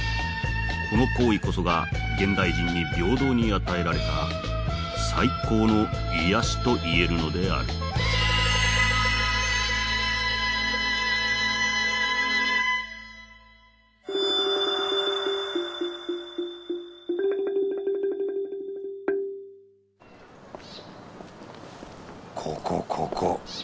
この行為こそが現代人に平等に与えられた最高の癒やしといえるのであるここここ。